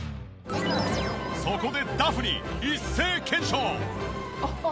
そこでダフニ一斉検証！